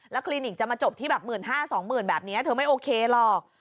คลินิกจะมาจบที่แบบ๑๕๐๐๒๐๐๐แบบนี้เธอไม่โอเคหรอก